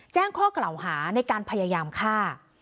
แจ้งข้อกล่าวหาในการพยายามฆ่า